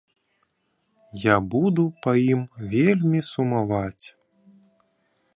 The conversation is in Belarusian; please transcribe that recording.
Я буду па ім вельмі сумаваць.